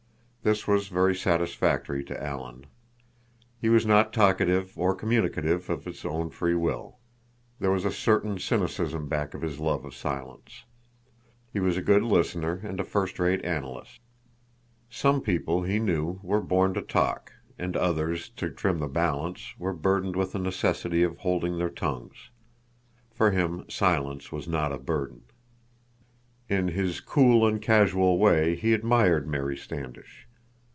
This was very satisfactory to Alan. He was not talkative or communicative of his own free will. There was a certain cynicism back of his love of silence. He was a good listener and a first rate analyst. Some people, he knew, were born to talk; and others, to trim the balance, were burdened with the necessity of holding their tongues. For him silence was not a burden. In his cool and causal way he admired Mary Standish.